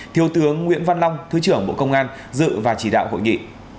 thiếu tướng nguyễn văn long thứ trưởng bộ công an dự và chỉ đạo hội nghị